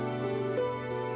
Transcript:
ya tuhan kami berdoa